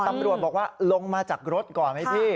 ตำรวจบอกว่าลงมาจากรถก่อนไหมพี่